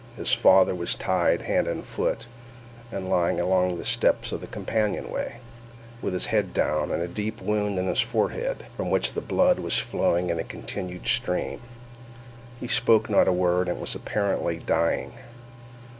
His father was tied hand and foot, and lying along the steps of the companion way, with his head down, and a deep wound in the forehead, from which the blood was flowing in a continued stream. He spoke not a word, and was apparently dying.